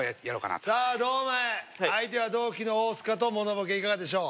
さあ堂前相手は同期の大須賀とものボケいかがでしょう？